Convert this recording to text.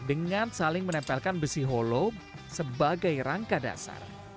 dengan saling menempelkan besi holo sebagai rangka dasar